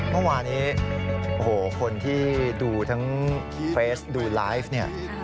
เมื่อวานี้โอ้โหคนที่ดูทั้งเฟสดูไลฟ์เนี่ย